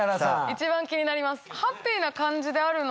一番気になります。